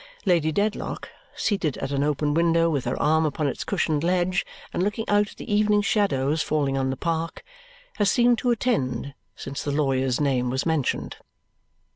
Lady Dedlock, seated at an open window with her arm upon its cushioned ledge and looking out at the evening shadows falling on the park, has seemed to attend since the lawyer's name was mentioned.